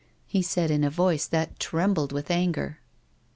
he said in a voice that trembled with anger.